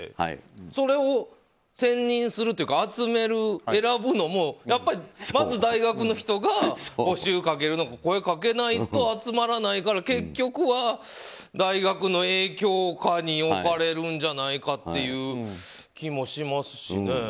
それを選任するというか集める、選ぶのもやっぱり、まず大学の人が募集をかけるのか声をかけないと集まらないから結局は大学の影響下に置かれるんじゃないかという気もしますしね。